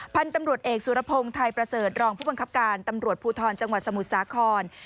พันธุ์ตำรวจเอกสุรพงศ์ไทยประเสริฐรองผู้บังคับการตำรวจภูทรจังหวัดสมุทรสาคร